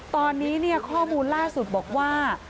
ตอนนี้ข้อมูลล่าสุดบอกว่า